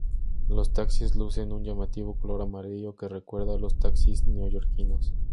Los taxis lucen un llamativo color amarillo que recuerda a los taxis neoyorquinos.